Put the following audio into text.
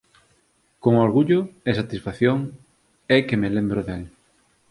Con orgullo e satisfacción é que me lembro del.